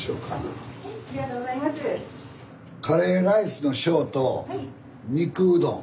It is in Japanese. カレーライスの小と肉うどん。